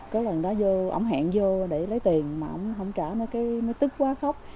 có lần đó vô ông hẹn vô để lấy tiền mà ông không trả nó cái nó tức quá khóc